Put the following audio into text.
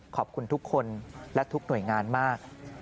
ขอบคุณทุกคนและทุกหน่วยงานมาก